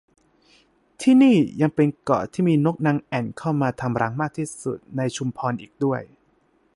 ที่นี่ยังเป็นเกาะที่มีนกนางแอ่นเข้ามาทำรังมากที่สุดในชุมพรอีกด้วย